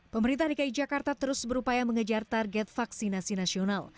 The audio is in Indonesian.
pemerintah dki jakarta terus berupaya mengejar target vaksinasi nasional